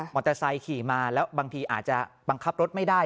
อเตอร์ไซค์ขี่มาแล้วบางทีอาจจะบังคับรถไม่ได้